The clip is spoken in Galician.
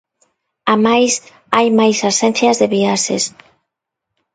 Amais, hai máis axencias de viaxes.